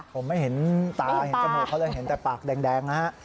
ผมไม่เห็นตาเห็นจมูกเขาเลยเห็นแต่ปากแดงนะฮะ